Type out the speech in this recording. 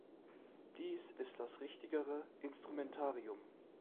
Dies ist das richtigere Instrumentarium.